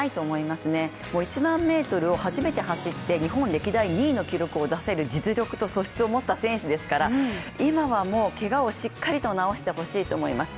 １００００ｍを初めて走って日本歴代２位の記録を出せる素質と実力を持った選手ですから今はけがをしっかりと治してほしいなと思います。